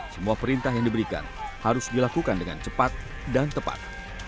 semua perintah yang diberikan harus dilakukan dengan cepat dan tepat